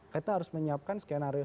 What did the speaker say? kita harus menyiapkan skenario